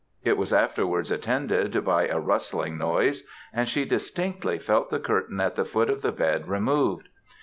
It was afterwards attended by a rustling noise, and she distinctly felt the curtains at the foot of the bed removed.